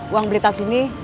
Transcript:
uang beli tas ini